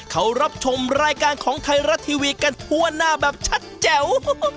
เขารับชมรายการของไทยรัฐทีวีกันทั่วหน้าแบบชัดแจ๋ว